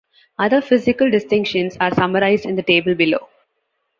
Other physical distinctions are summarised in the table below.